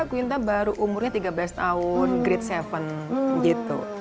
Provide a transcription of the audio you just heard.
quinta baru umurnya tiga belas tahun grade tujuh gitu